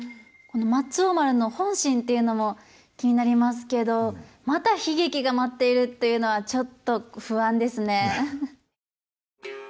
この松王丸の本心というのも気になりますけどまた悲劇が待っているっていうのはちょっと不安ですね。